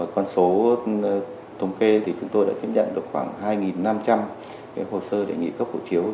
con số thống kê thì chúng tôi đã tiếp nhận được khoảng hai năm trăm linh hồ sơ đề nghị cấp hộ chiếu